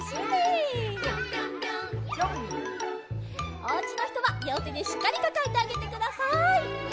「ぴょんぴょんぴょん」おうちのひとはりょうてでしっかりかかえてあげてください。